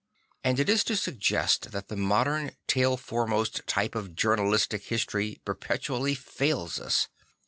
And it is to suggest that the modern tail foremost type of journalistic history perpetually fails us.